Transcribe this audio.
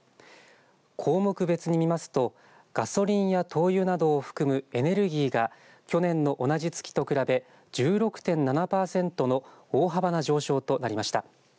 項目別に見ますとガソリンや灯油などを含むエネルギーが去年の同じ月と比べ１６．７パーセントの大幅な上昇となりました。